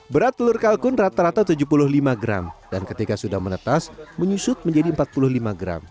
berat telur kalkun rata rata tujuh puluh lima gram dan ketika sudah menetas menyusut menjadi empat puluh lima gram